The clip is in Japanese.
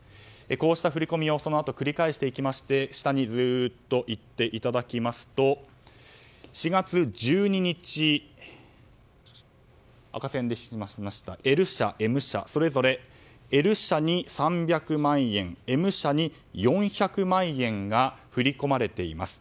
こうした振り込みをそのあと繰り返していきまして下にずっといっていただきますと４月１２日、赤線で示しましたＬ社、Ｍ社それぞれＬ社に３００万円Ｍ社に４００万円が振り込まれています。